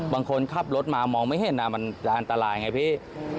บางคนขับรถมามองไม่เห็นมันจะอันตรายไงพี่